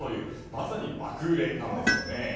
まさに爆売れなんですよね。